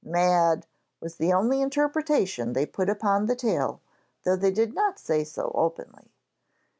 'Mad!' was the only interpretation they put upon the tale, though they did not say so openly.